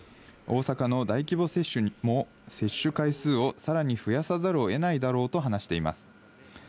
大阪の大規模接種も接種回数をさらに増やさざるを得ないだろうと話しています。